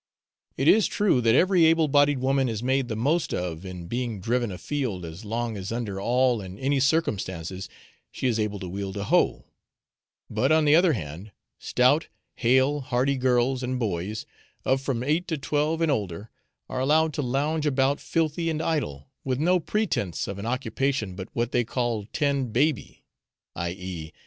It is true that every able bodied woman is made the most of in being driven a field as long as under all and any circumstances she is able to wield a hoe; but on the other hand, stout, hale, hearty girls and boys, of from eight to twelve and older, are allowed to lounge about filthy and idle, with no pretence of an occupation but what they call 'tend baby,' i.e.